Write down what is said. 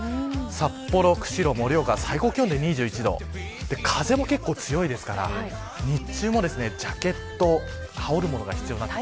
札幌、釧路、盛岡最高気温２１度風も結構強いですから日中もジャケット羽織る物が必要です。